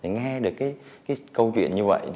nghe được câu chuyện như vậy